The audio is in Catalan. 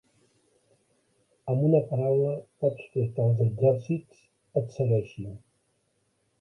Amb una paraula pots fer que els exèrcits et segueixin.